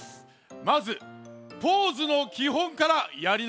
まずポーズのきほんからやりなおしなさい。